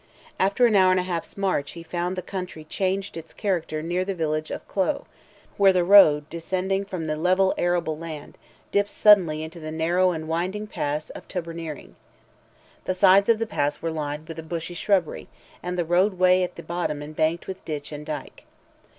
After an hour and a half's march he found the country changed its character near the village of Clogh (clo'), where the road descending from the level arable land, dips suddenly into the narrow and winding pass of Tubberneering. The sides of the pass were lined with a bushy shrubbery, and the roadway at the bottom embanked with ditch and dike.